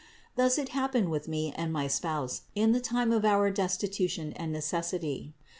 Thus it happened with me and my spouse in the time of our destitution and necessity.